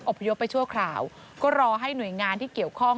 พยพไปชั่วคราวก็รอให้หน่วยงานที่เกี่ยวข้อง